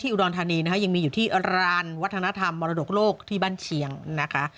อุดรธานีนะคะยังมีอยู่ที่ร้านวัฒนธรรมมรดกโลกที่บ้านเชียงนะคะ